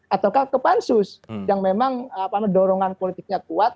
ataukah ke pansus yang memang dorongan politiknya kuat